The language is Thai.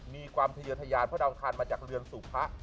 มีความทะเยอทยานเพราะดาวอังคารมาจากเรือนสู่พระ